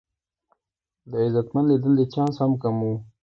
د عزتمندې دندې چانس هم کم و.